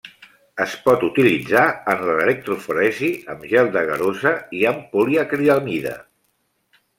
Es pot utilitzar en l'electroforesi amb gel d'agarosa i amb poliacrilamida.